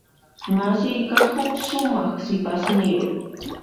Masiyqa huk sumaq sipasniyuq.